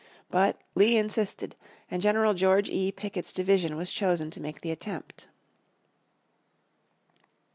But Lee insisted, and General George E. Pickett's division was chosen to make the attempt.